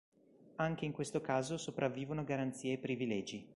Anche in questo caso sopravvivono garanzie e privilegi.